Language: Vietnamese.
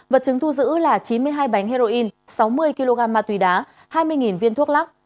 vật chứng thu giữ là chín mươi hai bánh heroin sáu mươi kg ma túy đá hai mươi viên thuốc lắc